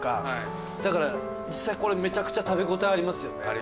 だから実際これめちゃくちゃ食べ応えありますよね。